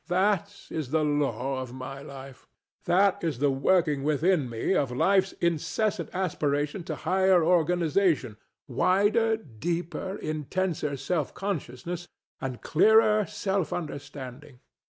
That is the law of my life. That is the working within me of Life's incessant aspiration to higher organization, wider, deeper, intenser self consciousness, and clearer self understanding.